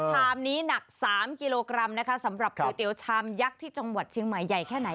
ชามนี้หนัก๓กิโลกรัมนะคะสำหรับก๋วยเตี๋ยวชามยักษ์ที่จังหวัดเชียงใหม่ใหญ่แค่ไหน